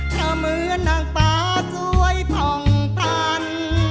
เธอเหมือนนางปลาสวยผ่องปัน